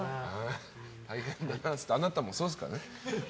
大変だなって言ってあなたもそうですからね。